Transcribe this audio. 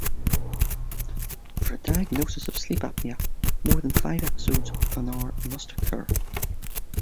For a diagnosis of sleep apnea, more than five episodes an hour must occur.